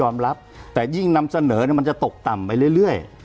มีความรับแต่ยิ่งนำเสนอมันจะตกต่ำไปเรื่อย